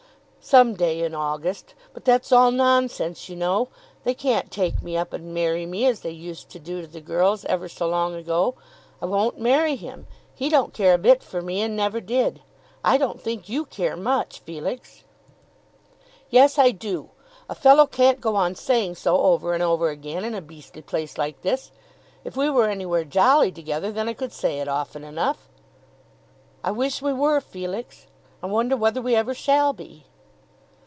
"Some day in August. But that's all nonsense, you know. They can't take me up and marry me, as they used to do the girls ever so long ago. I won't marry him. He don't care a bit for me, and never did. I don't think you care much, Felix." "Yes, I do. A fellow can't go on saying so over and over again in a beastly place like this. If we were anywhere jolly together, then I could say it often enough." "I wish we were, Felix. I wonder whether we ever shall be."